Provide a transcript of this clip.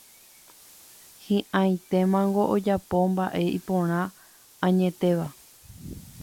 Hi'ãitémango ojapo mba'e iporã añetéva